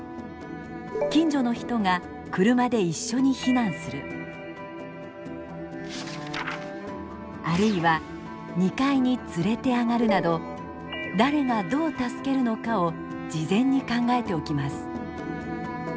近所の人が車で一緒に避難するあるいは２階に連れて上がるなど誰がどう助けるのかを事前に考えておきます。